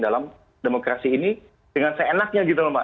dalam demokrasi ini dengan seenaknya gitu lho mbak